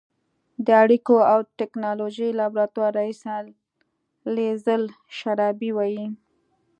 د اړیکو او ټېکنالوژۍ لابراتوار رییسه لیزل شرابي وايي